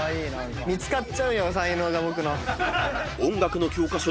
見つかっちゃうよ才能が。